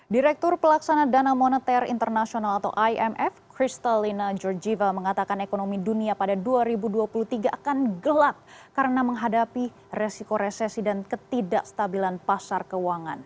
direktur pelaksana dana moneter internasional atau imf kristalina georgieva mengatakan ekonomi dunia pada dua ribu dua puluh tiga akan gelap karena menghadapi resiko resesi dan ketidakstabilan pasar keuangan